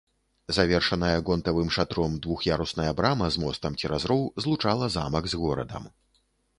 Завершаная гонтавым шатром двух'ярусная брама з мостам цераз роў злучала замак з горадам.